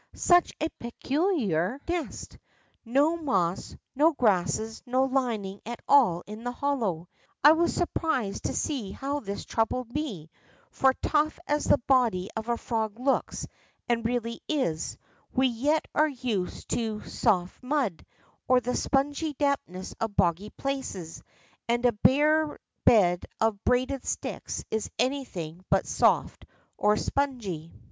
Such a peculiar nest ! ^^o moss, no grasses, no lining at all in the hollow. I was surprised to see how this troubled me, for, tough as the body of a frog looks and really is, we yet are used to soft mud, or the spongy dampness of boggy places, and a bare bed of braided sticks is anything but soft or spongy.